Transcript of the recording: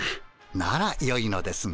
ならよいのですが。